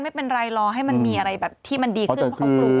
ไม่เป็นไรรอให้มันมีอะไรแบบที่มันดีขึ้น